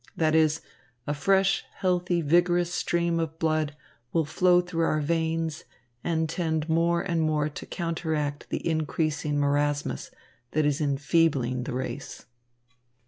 That is, a fresh, healthy, vigorous stream of blood will flow through our veins and tend more and more to counteract the increasing marasmus that is enfeebling the race."